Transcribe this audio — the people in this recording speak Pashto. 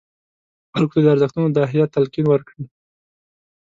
خلکو ته د ارزښتونو د احیا تلقین ورکړي.